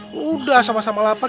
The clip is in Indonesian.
sudah sama sama lapar